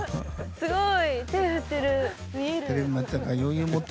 すごい。